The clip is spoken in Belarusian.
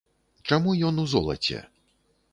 Чаму ён у золаце?